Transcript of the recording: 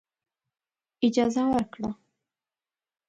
اجازه ورکړه.